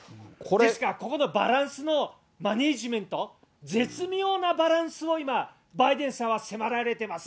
ですからここのバランスのマネージメント、絶妙なバランスを今、バイデンさんは迫られてますね。